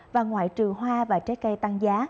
và ngoại trừ hoa và trái cây tăng giá